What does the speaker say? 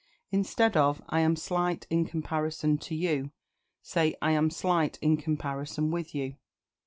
Instead of "I am slight in comparison to you," say "I am slight in comparison with you."